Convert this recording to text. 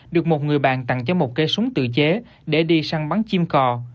được một người bạn tặng cho một cây súng tự chế để đi săn bắn chim cò